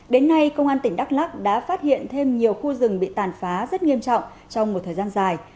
đến nay công an tỉnh đắk lắc đã phát hiện thêm nhiều khu rừng bị tàn phá rất nghiêm trọng trong một thời gian dài